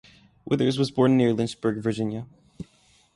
Withers was born near Lynchburg, Virginia.